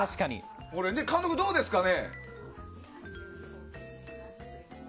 監督、どうですかね？